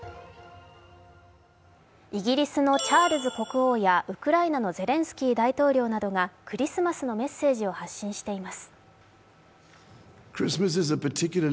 イギリスのチャールズ国王やウクライナのゼレンスキー大統領がクリスマスのメッセージを発信しています。